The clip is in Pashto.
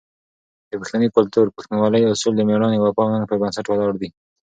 د پښتني کلتور "پښتونولي" اصول د مېړانې، وفا او ننګ پر بنسټ ولاړ دي.